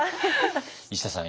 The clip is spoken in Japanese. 石田さん